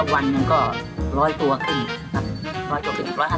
วันนึงก็๑๐๐ตัวครึ่งครับ